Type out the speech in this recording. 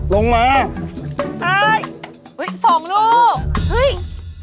ลงมาใช่อุ้ยสองลูกเฮ้ย